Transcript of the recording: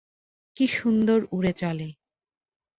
কি সুন্দর উড়ে চলে!